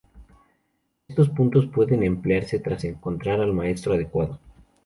Estos puntos pueden emplearse tras encontrar al maestro adecuado.